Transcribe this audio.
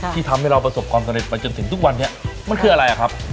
ที่ทำให้เราประสบความสำเร็จไปจนถึงทุกวันนี้มันคืออะไรอะครับ